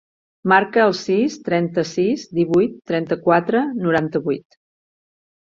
Marca el sis, trenta-sis, divuit, trenta-quatre, noranta-vuit.